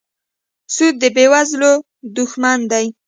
سود د بېوزلو دښمن دی.